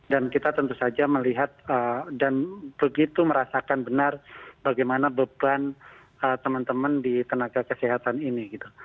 dan kita tentu saja melihat dan begitu merasakan benar bagaimana beban teman teman di tenaga kesehatan ini